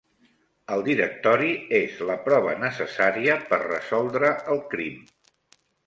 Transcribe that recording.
El directori és la prova necessària per resoldre el crim.